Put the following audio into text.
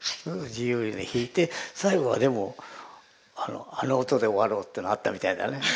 自由に弾いて最後はでもあの音で終わろうっていうのはあったみたいだね。